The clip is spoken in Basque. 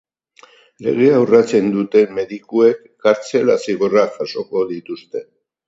Legea urratzen duten medikuek kartzela zigorrak jasoko dituzte.